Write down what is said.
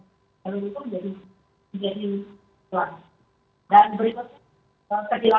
ada berapa target harga itu